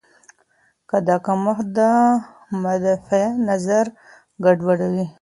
دا کمښت د مدافع نظام ګډوډوي.